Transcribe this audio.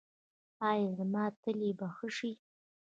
ایا زما تلي به ښه شي؟